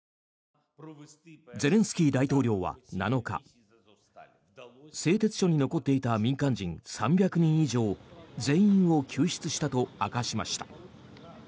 ゼレンスキー大統領は７日製鉄所に残っていた民間人３００人以上全員を救出したと明かしました。